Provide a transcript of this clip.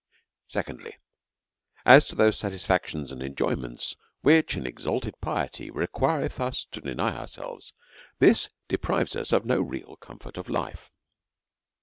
Secondlj/, As to those satisfactions and enjoyments which an exalted piety requireth us to deny ourselves, this deprives us of real comfort of life.